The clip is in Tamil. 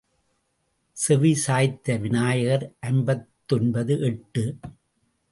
செவி சாய்த்த விநாயகர் ஐம்பத்தொன்பது எட்டு.